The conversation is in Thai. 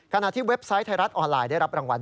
ที่เว็บไซต์ไทยรัฐออนไลน์ได้รับรางวัล